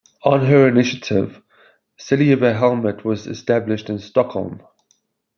On her initiative, Silviahemmet was established in Stockholm.